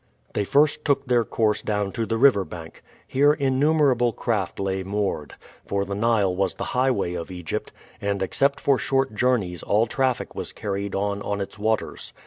They first took their course down to the river bank. Here innumerable craft lay moored; for the Nile was the highway of Egypt, and except for short journeys all traffic was carried on on its waters.